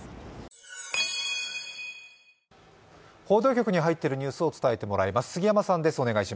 報道局に入っているニュースを伝えてもらいます。